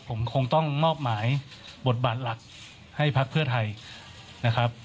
ผมคงต้องมอบหมายบทบาทหลักให้พักเพื่อไทยนะครับ